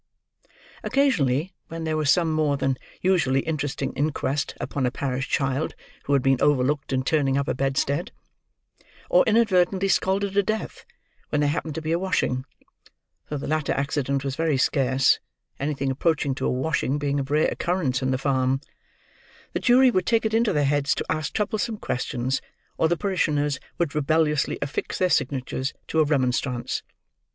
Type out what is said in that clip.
Occasionally, when there was some more than usually interesting inquest upon a parish child who had been overlooked in turning up a bedstead, or inadvertently scalded to death when there happened to be a washing—though the latter accident was very scarce, anything approaching to a washing being of rare occurrence in the farm—the jury would take it into their heads to ask troublesome questions, or the parishioners would rebelliously affix their signatures to a remonstrance.